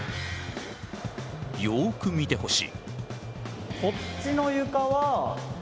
よく見てほしい。